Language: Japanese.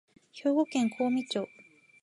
兵庫県香美町